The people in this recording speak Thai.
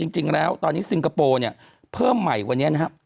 จริงแล้วตอนนี้ซิงคโปร์เนี่ยเพิ่มใหม่วันนี้นะครับ